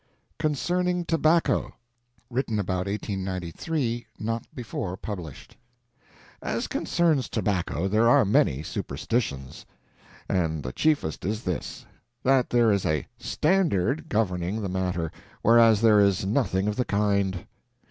CONCERNING TOBACCO (Written about 1893; not before published) As concerns tobacco, there are many superstitions. And the chiefest is this—that there is a _standard _governing the matter, whereas there is nothing of the kind.